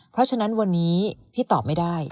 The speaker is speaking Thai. เพราะฉะนั้นวันนี้พี่ตอบไม่ได้